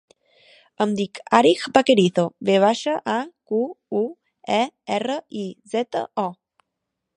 Em dic Arij Vaquerizo: ve baixa, a, cu, u, e, erra, i, zeta, o.